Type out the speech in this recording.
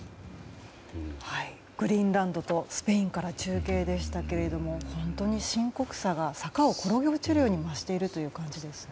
グリーンランドとスペインから中継でしたけれども本当に深刻さが坂を転げ落ちるように増しているという感じですね。